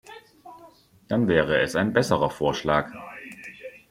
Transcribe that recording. Dann wäre es ein besserer Vorschlag.